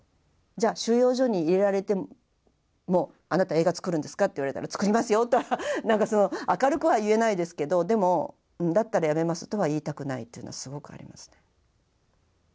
じゃあ収容所に入れられても「あなた映画作るんですか」って言われたら「作りますよ」とは明るくは言えないですけどでも「だったらやめます」とは言いたくないっていうのはすごくありますね。